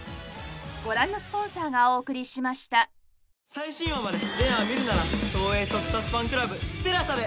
最新話まで全話見るなら東映特撮ファンクラブＴＥＬＡＳＡで。